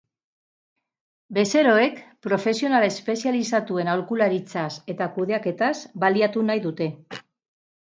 Bezeroek profesional espezializatuen aholkularitzaz eta kudeaketaz baliatu nahi dute.